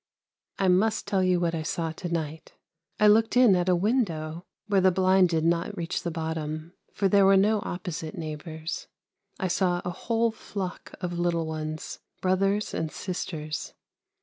" I must tell you what I saw to night. I looked in at a window where the blind did not reach the bottom, for there were no opposite neighbours. I saw a whole flock of little ones, brothers and sisters.